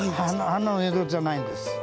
花の色じゃないんです。